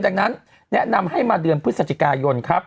ดังนั้นแนะนำให้มาเดือนพฤศจิกายนครับ